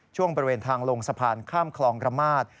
ช่วงบริเวณทางลงสะพานข้ามคลองกรมาส